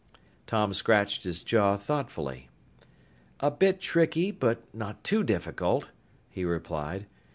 Tom scratched his jaw thoughtfully. "A bit tricky but not too difficult," he replied.